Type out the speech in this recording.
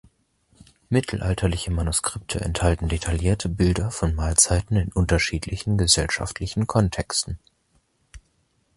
Mittelalterliche Manuskripte enthalten detaillierte Bilder von Mahlzeiten in unterschiedlichen gesellschaftlichen Kontexten.